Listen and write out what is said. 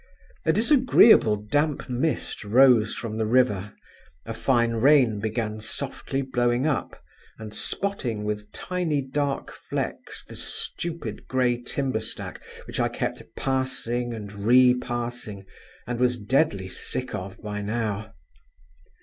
A disagreeable damp mist rose from the river; a fine rain began softly blowing up, and spotting with tiny dark flecks the stupid grey timber stack, which I kept passing and repassing, and was deadly sick of by now.